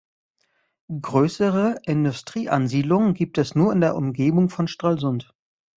Größere Industrieansiedlungen gibt es nur in der Umgebung von Stralsund.